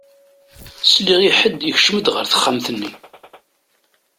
Sliɣ i ḥed ikcem-d ɣer texxamt-nni.